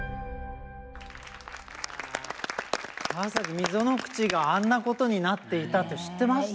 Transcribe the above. まさか溝口があんなことになっていたと知ってましたか？